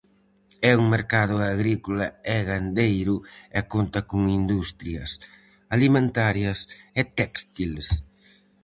É un mercado agrícola e gandeiro e conta con industrias alimentarias e téxtiles.